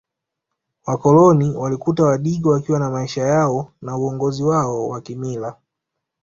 Wakoloni walikuta Wadigo wakiwa na maisha yao na uongozi wao wa kimila